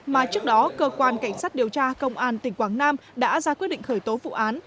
mà trước đó cơ quan cảnh sát điều tra công an tỉnh quảng nam đã ra quyết định khởi tố vụ án